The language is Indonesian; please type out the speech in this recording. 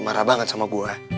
marah banget sama gue